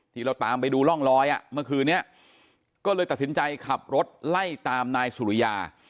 ที่เราตามไปดูร่องรอยเมื่อคืนนี้ก็เลยตัดสินใจขับรถไล่ตามนายสุริยา